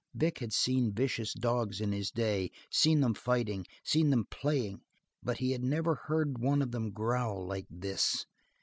Vic had seen vicious dogs in his day, seen them fighting, seen them playing, but he had never heard one of them growl like this.